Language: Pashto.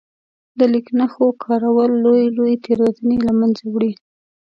د لیک نښو کارول لويې لويې تېروتنې له منځه وړي.